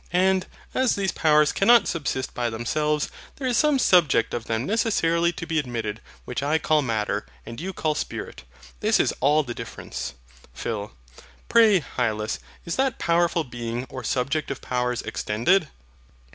And, as these Powers cannot subsist by themselves, there is some subject of them necessarily to be admitted; which I call MATTER, and you call SPIRIT. This is all the difference. PHIL. Pray, Hylas, is that powerful Being, or subject of powers, extended?